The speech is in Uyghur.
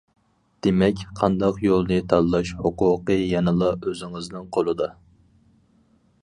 دېمەك، قانداق يولنى تاللاش ھوقۇقى يەنىلا ئۆزىڭىزنىڭ قولىدا.